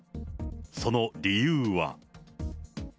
その理由は。